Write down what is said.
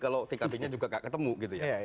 kalau tkp nya juga gak ketemu gitu ya